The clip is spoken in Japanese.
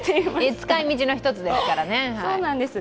使い道の一つですからね。